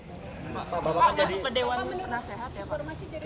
pak bapak masuk ke dewan menara sehat ya pak